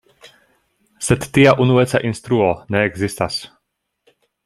Sed tia unueca instruo ne ekzistas.